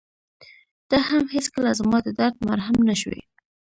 ته هم هېڅکله زما د درد مرهم نه شوې.